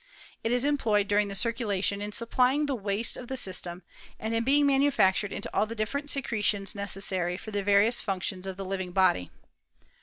It is employed during the circulation in supplying the waste of the system, and in being manufactured into all the different secretions necessary for the various func tions of the living body.